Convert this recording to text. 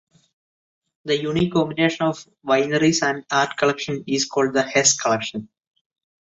The unique combination of wineries and art collection is called the "Hess Collection".